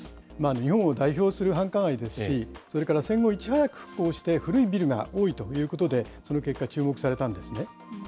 日本を代表する繁華街ですし、それから戦後いち早く復興して、古いビルが多いということで、その結果、注目されたんですね。